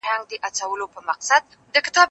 هغه وويل چي تمرين مهم دي؟